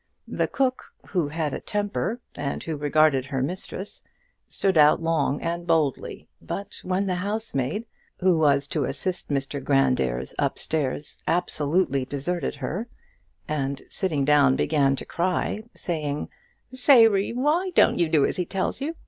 The cook, who had a temper and who regarded her mistress, stood out long and boldly, but when the housemaid, who was to assist Mr Grandairs upstairs, absolutely deserted her, and sitting down began to cry, saying: "Sairey, why don't you do as he tells you?